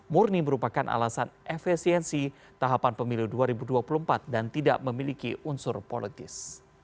murni merupakan alasan efisiensi tahapan pemilu dua ribu dua puluh empat dan tidak memiliki unsur politis